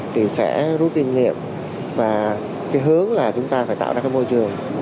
thì sẽ rút kinh nghiệm và cái hướng là chúng ta phải tạo ra cái môi trường